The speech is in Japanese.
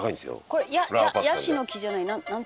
これヤシの木じゃないなん。